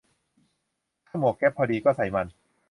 ถ้าหมวกแก๊ปพอดี ก็ใส่มัน